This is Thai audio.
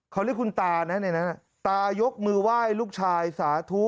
เขาเรียกคุณตานะในนั้นตายกมือไหว้ลูกชายสาธุ